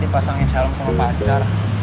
dipasangin helm sama pacar